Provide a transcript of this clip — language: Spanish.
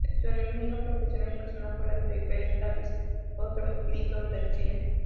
Su enemiga profesional y personal fue la actriz Bette Davis, otro mito del cine.